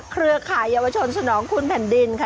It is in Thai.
เครือข่ายเยาวชนสนองคุณแผ่นดินค่ะ